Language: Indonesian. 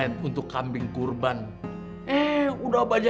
ini udah kenceng berani adek dua anda